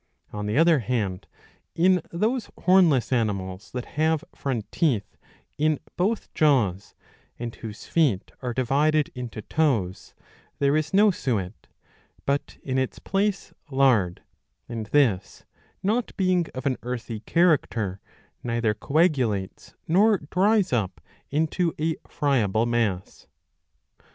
On the other hand in those hornless animals that have front teeth in both jaws, and whose feet are divided into toes, there is no suet, but in its place lard ;^ and this, not being of an earthy character, neither coagulates nor dries up into a friable mass.